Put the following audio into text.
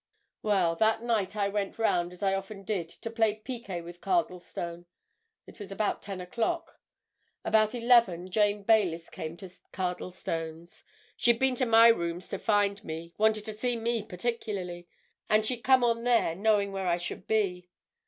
"Well, that night I went round, as I often did, to play piquet with Cardlestone. That was about ten o'clock. About eleven Jane Baylis came to Cardlestone's—she'd been to my rooms to find me—wanted to see me particularly—and she'd come on there, knowing where I should be.